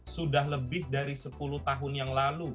sudah lebih dari sepuluh tahun yang lalu